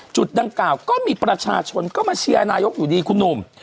จุดดังกล่าวก็มีประชาชนก็มาเชียร์นายกอยู่ดีคุณหนุ่ม